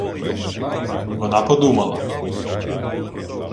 Вона подумала.